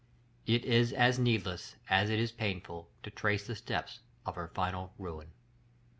It is as needless, as it is painful, to trace the steps of her final ruin.